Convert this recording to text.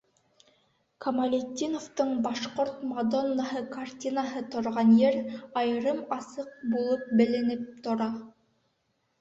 Камалетдиновтың «Башҡорт мадоннаһы» картинаһы торған ер айырым-асыҡ булып беленеп тора.